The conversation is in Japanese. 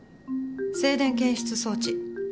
静電検出装置。